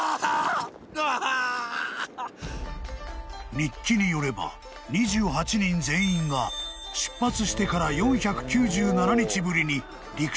［日記によれば２８人全員が出発してから４９７日ぶりに陸地におり立った］